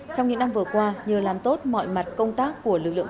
trong những năm vừa qua nhờ làm tốt mọi mặt công tác của lực lượng